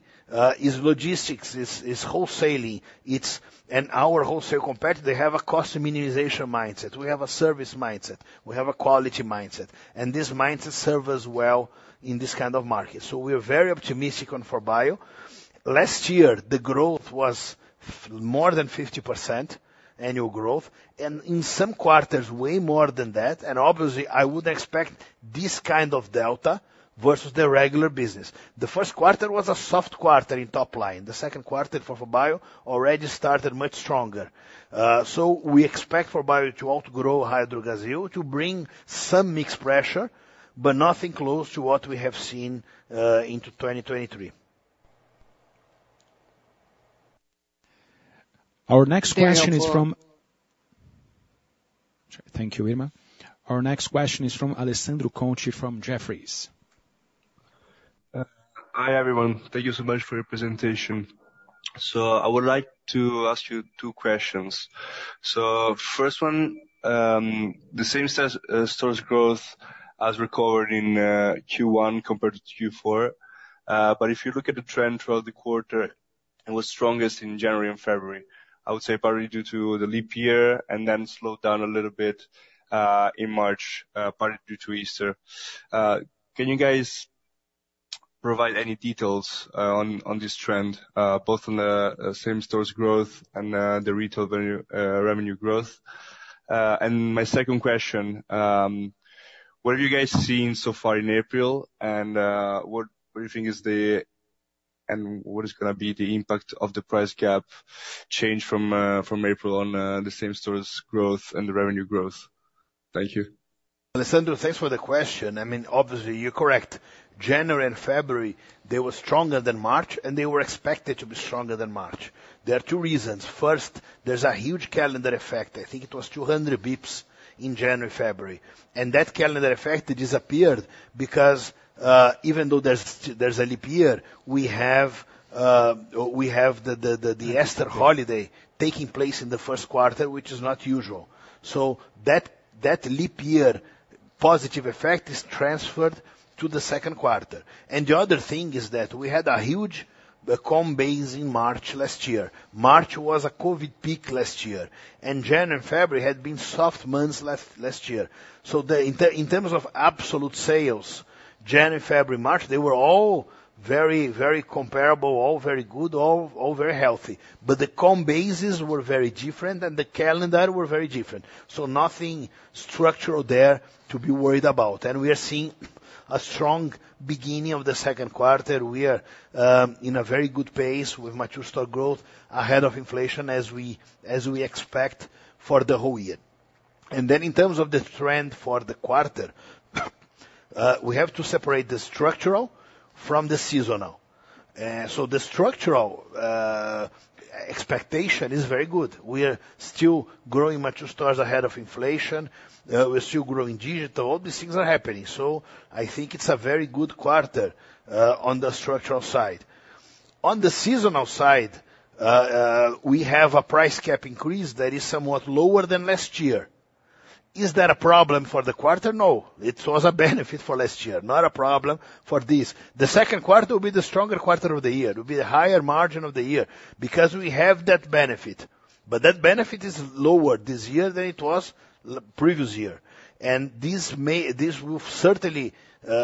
is logistics, is wholesaling. It's, and our wholesale competitor, they have a cost minimization mindset. We have a service mindset, we have a quality mindset, and this mindset serve us well in this kind of market. So we are very optimistic on 4Bio. Last year, the growth was more than 50% annual growth, and in some quarters, way more than that. And obviously, I would expect this kind of delta versus the regular business. The first quarter was a soft quarter in top line. The second quarter for 4Bio already started much stronger. So we expect 4Bio to outgrow Raia Drogasil, to bring some mix pressure, but nothing close to what we have seen into 2023. Our next question is from- Yeah, for- Thank you, Irma. Our next question is from Alessandro Cunci from Jefferies. Hi, everyone. Thank you so much for your presentation. So I would like to ask you two questions. So first one, the same-store sales growth as recorded in Q1 compared to Q4. But if you look at the trend throughout the quarter, it was strongest in January and February, I would say probably due to the leap year, and then slowed down a little bit in March, probably due to Easter. Can you guys provide any details on this trend, both on the same-store sales growth and the retail revenue growth? And my second question, what have you guys seen so far in April, and what do you think is the impact of the price cap change from April on the same stores growth and the revenue growth? Thank you. Alessandro, thanks for the question. I mean, obviously, you're correct. January and February, they were stronger than March, and they were expected to be stronger than March. There are two reasons: First, there's a huge calendar effect. I think it was 200 Bips in January, February. And that calendar effect, it disappeared because even though there's a leap year, we have the Easter holiday taking place in the first quarter, which is not usual. So that leap year positive effect is transferred to the second quarter. And the other thing is that we had a huge comp base in March last year. March was a COVID peak last year, and January, February had been soft months last year. So in terms of absolute sales, Jan, February, March, they were all very, very comparable, all very good, all very healthy. But the comp bases were very different and the calendar were very different. So nothing structural there to be worried about. And we are seeing a strong beginning of the second quarter. We are in a very good pace with mature store growth, ahead of inflation as we, as we expect for the whole year. And then in terms of the trend for the quarter, we have to separate the structural from the seasonal. So the structural expectation is very good. We are still growing mature stores ahead of inflation, we're still growing digital. All these things are happening, so I think it's a very good quarter on the structural side. On the seasonal side, we have a price cap increase that is somewhat lower than last year. Is that a problem for the quarter? No. It was a benefit for last year, not a problem for this. The second quarter will be the stronger quarter of the year. It will be the higher margin of the year because we have that benefit. But that benefit is lower this year than it was previous year. And this will certainly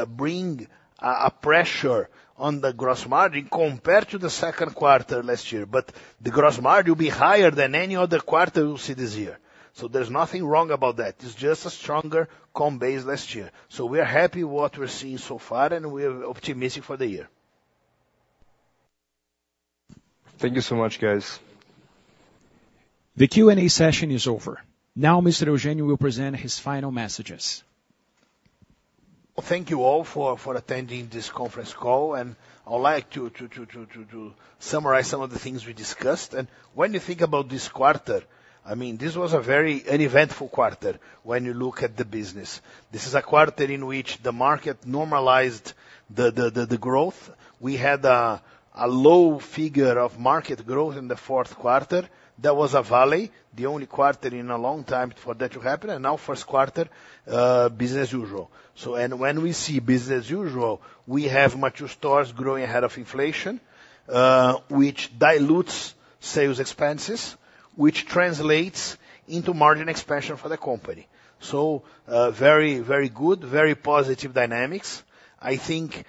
bring a pressure on the gross margin compared to the second quarter last year. But the gross margin will be higher than any other quarter you'll see this year. So there's nothing wrong about that. It's just a stronger comp base last year. So we are happy what we're seeing so far, and we're optimistic for the year. Thank you so much, guys. The Q&A session is over. Now, Mr. Eugênio will present his final messages. Thank you all for attending this conference call, and I would like to summarize some of the things we discussed. When you think about this quarter, I mean, this was a very uneventful quarter when you look at the business. This is a quarter in which the market normalized the growth. We had a low figure of market growth in the fourth quarter. That was a valley, the only quarter in a long time for that to happen, and now first quarter, business as usual. When we see business as usual, we have mature stores growing ahead of inflation, which dilutes sales expenses, which translates into margin expansion for the company. So, very, very good, very positive dynamics. I think,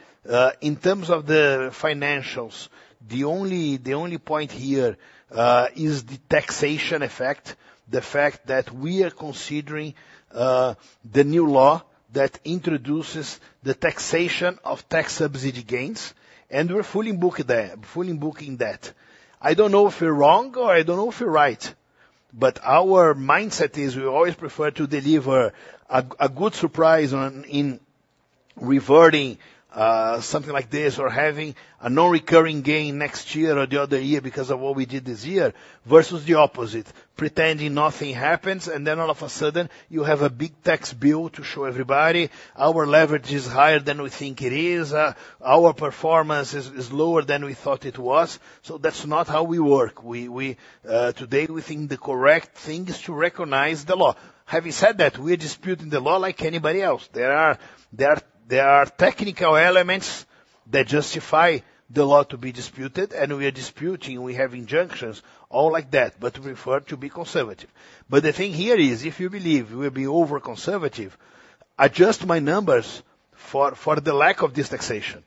in terms of the financials, the only, the only point here, is the taxation effect, the fact that we are considering, the new law that introduces the taxation of tax subsidy gains, and we're fully booked there, fully booking that. I don't know if we're wrong or I don't know if we're right, but our mindset is we always prefer to deliver a, a good surprise on, in reverting, something like this, or having a non-recurring gain next year or the other year because of what we did this year, versus the opposite, pretending nothing happens, and then all of a sudden, you have a big tax bill to show everybody. Our leverage is higher than we think it is, our performance is, is lower than we thought it was. So that's not how we work. We, we... Today, we think the correct thing is to recognize the law. Having said that, we are disputing the law like anybody else. There are, there are, there are technical elements that justify the law to be disputed, and we are disputing. We have injunctions, all like that, but we prefer to be conservative. But the thing here is, if you believe we'll be over-conservative, adjust my numbers for, for the lack of this taxation.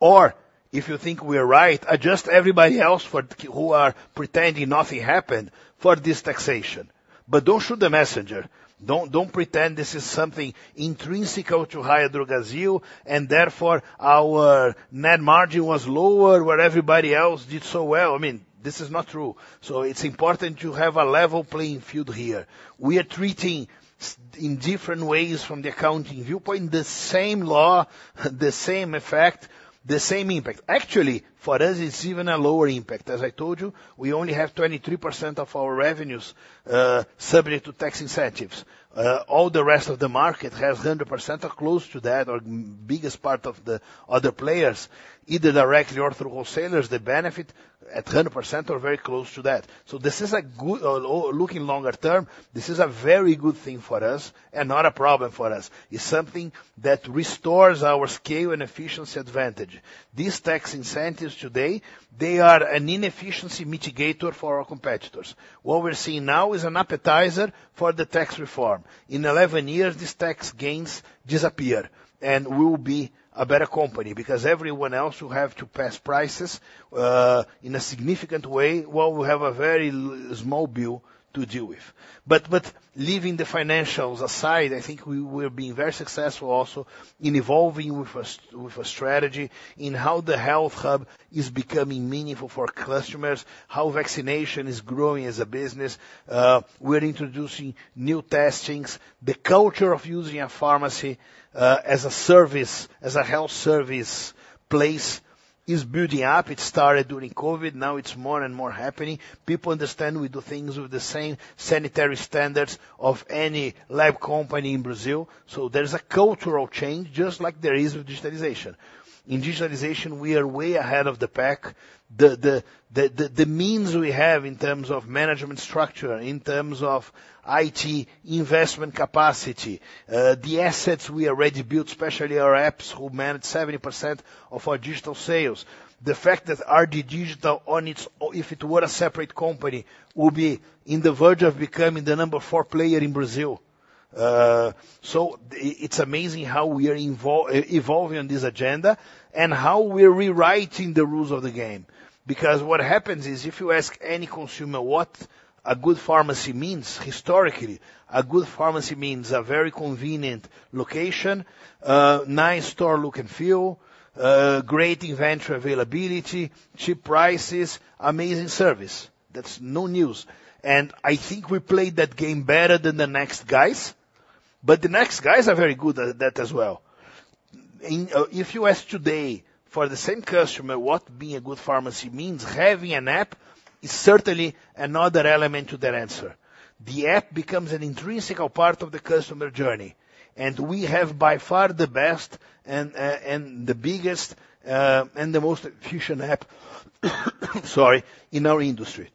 Or if you think we're right, adjust everybody else for, who are pretending nothing happened for this taxation. But don't shoot the messenger. Don't, don't pretend this is something intrinsic to Raia Drogasil, and therefore, our net margin was lower, where everybody else did so well. I mean, this is not true. So it's important to have a level playing field here. We are treating in different ways from the accounting viewpoint, the same law, the same effect, the same impact. Actually, for us, it's even a lower impact. As I told you, we only have 23% of our revenues subject to tax incentives. All the rest of the market has 100% or close to that, or biggest part of the other players, either directly or through wholesalers, they benefit at 100% or very close to that. So this is a good... looking longer term, this is a very good thing for us and not a problem for us. It's something that restores our scale and efficiency advantage. These tax incentives today, they are an inefficiency mitigator for our competitors. What we're seeing now is an appetizer for the tax reform. In 11 years, these tax gains disappear, and we'll be a better company because everyone else will have to pass prices in a significant way, while we have a very small bill to deal with. But leaving the financials aside, I think we're being very successful also in evolving with a strategy, in how the health hub is becoming meaningful for customers, how vaccination is growing as a business. We're introducing new testings. The culture of using a pharmacy as a service, as a health service place is building up. It started during COVID, now it's more and more happening. People understand we do things with the same sanitary standards of any lab company in Brazil. So there is a cultural change, just like there is with digitalization. In digitalization, we are way ahead of the pack. The means we have in terms of management structure, in terms of IT investment capacity, the assets we already built, especially our apps, who manage 70% of our digital sales. The fact that RD Digital on its own—if it were a separate company, would be on the verge of becoming the number four player in Brazil. So it's amazing how we are evolving on this agenda, and how we're rewriting the rules of the game. Because what happens is, if you ask any consumer what a good pharmacy means, historically, a good pharmacy means a very convenient location, a nice store look and feel, great inventory availability, cheap prices, amazing service. That's no news. And I think we played that game better than the next guys, but the next guys are very good at that as well. If you ask today, for the same customer, what being a good pharmacy means, having an app is certainly another element to their answer. The app becomes an intrinsic part of the customer journey, and we have, by far, the best and the biggest and the most efficient app, sorry, in our industry.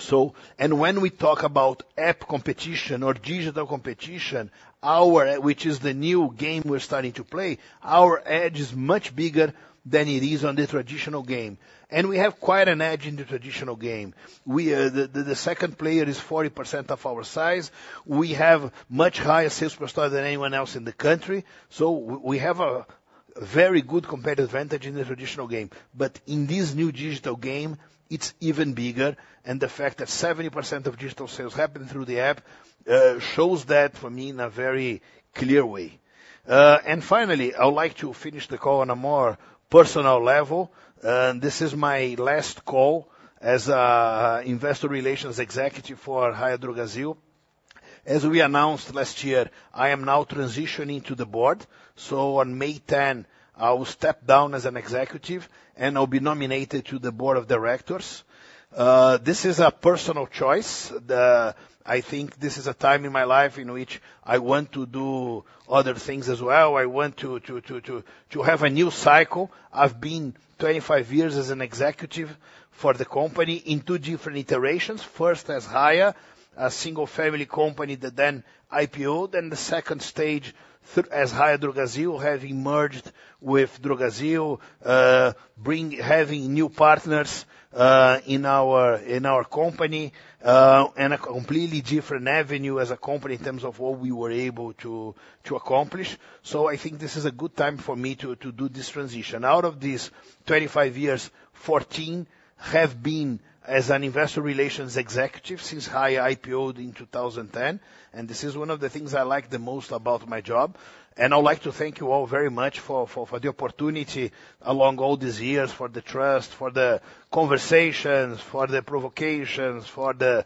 So, when we talk about app competition or digital competition, our, which is the new game we're starting to play, our edge is much bigger than it is on the traditional game. And we have quite an edge in the traditional game. We. The 2nd player is 40% of our size. We have much higher sales per store than anyone else in the country, so we have a very good competitive advantage in the traditional game. But in this new digital game, it's even bigger, and the fact that 70% of digital sales happen through the app shows that, for me, in a very clear way. And finally, I would like to finish the call on a more personal level. This is my last call as investor relations executive for Raia Drogasil. As we announced last year, I am now transitioning to the board, so on May 10, I will step down as an executive, and I'll be nominated to the board of directors. This is a personal choice. I think this is a time in my life in which I want to do other things as well. I want to have a new cycle. I've been 25 years as an executive for the company in two different iterations. First, as Raia, a single family company that then IPO'd, and the second stage as Raia Drogasil, having merged with Drogasil, having new partners in our company, and a completely different avenue as a company in terms of what we were able to accomplish. So I think this is a good time for me to do this transition. Out of these 25 years, 14 have been as an investor relations executive since Raia IPO'd in 2010, and this is one of the things I like the most about my job. I'd like to thank you all very much for the opportunity along all these years, for the trust, for the conversations, for the provocations, for the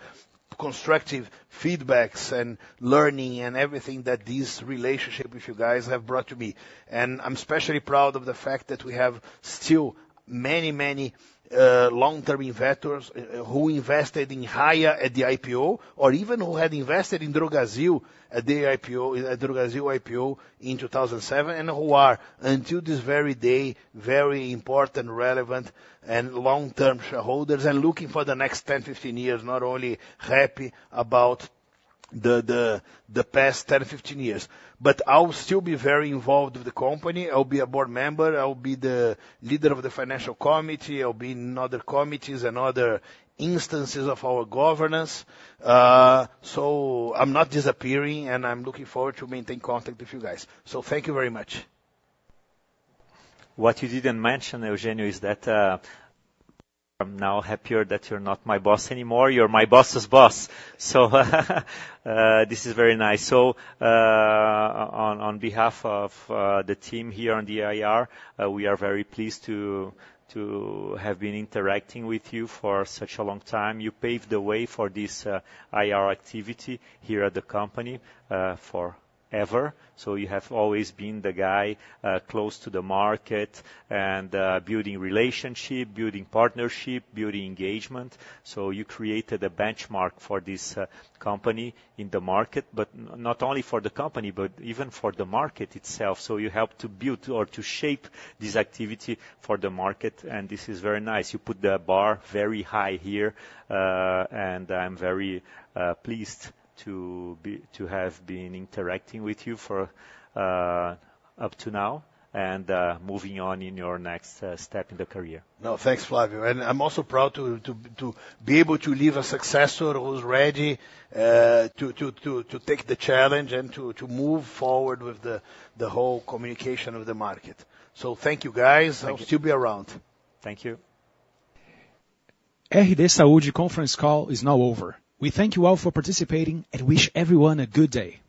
constructive feedbacks, and learning, and everything that this relationship with you guys have brought to me. And I'm especially proud of the fact that we have still many, many, long-term investors, who invested in Raia at the IPO, or even who had invested in Drogasil at the IPO, at Drogasil IPO in 2007, and who are, until this very day, very important, relevant, and long-term shareholders, and looking for the next 10, 15 years, not only happy about the past 10, 15 years. But I will still be very involved with the company. I'll be a board member. I'll be the leader of the financial committee. I'll be in other committees and other instances of our governance. So I'm not disappearing, and I'm looking forward to maintain contact with you guys. So thank you very much. What you didn't mention, Eugênio, is that, I'm now happier that you're not my boss anymore. You're my boss's boss. So, this is very nice. So, on behalf of the team here on the IR, we are very pleased to have been interacting with you for such a long time. You paved the way for this, IR activity here at the company, forever. So you have always been the guy, close to the market and, building relationship, building partnership, building engagement. So you created a benchmark for this, company in the market, but not only for the company, but even for the market itself. So you helped to build or to shape this activity for the market, and this is very nice. You put the bar very high here, and I'm very pleased to have been interacting with you for up to now, and moving on in your next step in the career. No, thanks, Flávio. And I'm also proud to be able to leave a successor who's ready to take the challenge and to move forward with the whole communication of the market. So thank you, guys. Thank you. I'll still be around. Thank you. RD Saúde conference call is now over. We thank you all for participating and wish everyone a good day.